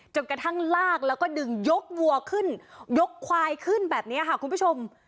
กระทั่งลากแล้วก็ดึงยกวัวขึ้นยกควายขึ้นแบบนี้ค่ะคุณผู้ชม